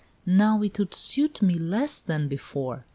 "Now it would suit me less than before."